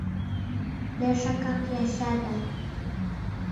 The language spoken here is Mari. Пешакак яча да...